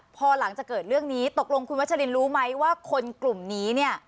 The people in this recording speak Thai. พอหลังจากเกิดเรื่องนี้ตกลงคุณวัชลินรู้ไหมว่าคนกลุ่มนี้เนี่ย